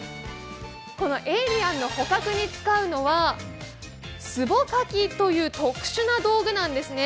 このエイリアンの捕獲に使うのはすぼかきという特殊な道具なんですね。